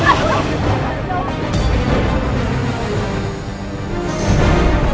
mas omdatnya ini enak ya